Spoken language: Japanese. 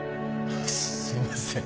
すいません。